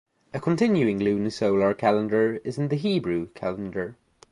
A continuing lunisolar calendar is in the Hebrew calendar.